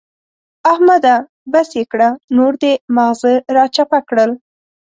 احمده! بس يې کړه نور دې ماغزه را چپه کړل.